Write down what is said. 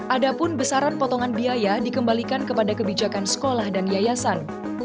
ada pun besaran potongan biaya dikembalikan kepada kebijakan sekolah dan yayasan